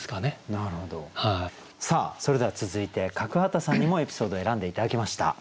さあそれでは続いて角幡さんにもエピソード選んで頂きました。